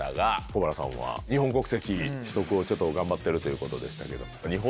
小原さんは日本国籍取得を頑張ってるということでしたけど。